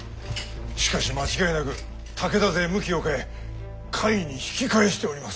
しかし間違いなく武田勢向きを変え甲斐に引き返しております。